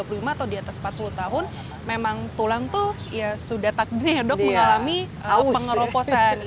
di usia di atas tiga puluh lima atau di atas empat puluh tahun memang tulang tuh ya sudah tak dengedok mengalami pengeroposan